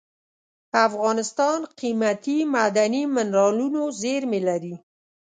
افغانستان قیمتي معدني منرالونو زیرمې لري.